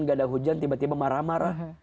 nggak ada hujan tiba tiba marah marah